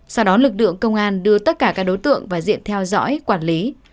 sau đó lực lượng công an đưa tất cả các đối tượng vào diện theo dõi quản lý